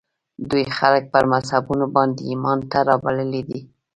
دوی خلک پر مذهبونو باندې ایمان ته رابللي دي